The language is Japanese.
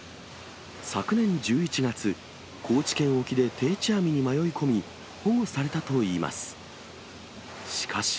昨年１１月、高知県沖で定置網に迷い込み、保護されたといいます。